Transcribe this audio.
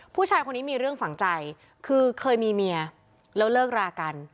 ผู้ชายคนนี้มีเรื่องฝังใจคือเคยมีเมียแล้วเลิกรากัน